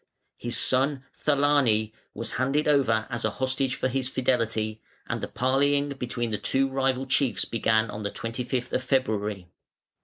His son Thelane was handed over as a hostage for his fidelity, and the parleying between the two rival chiefs began on the 25th of February.